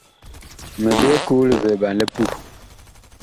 Mi byɛɛ koo livɛɛɓan li puh.